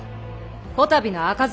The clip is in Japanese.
こたびの赤面